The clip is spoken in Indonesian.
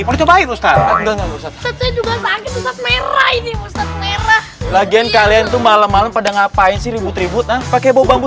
merah merah lagian kalian tuh malam malam pada ngapain sih ribut ribut pakai bau bambu